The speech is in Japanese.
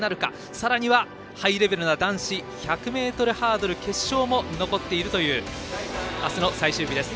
さらにはハイレベルな男子１１０ｍハードル決勝も残っているという明日の最終日です。